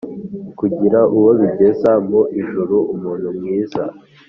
kugira uwo bigeza mu Ijuru. Umuntu mwiza,